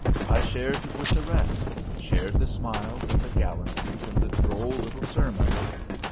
I shared with the rest; shared the smiles and the gallantries and the droll little sermons.